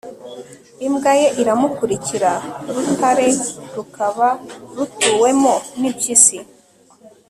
imbwa ye iramukurikira. ... rutare rukaba rutuwemo n'impyisi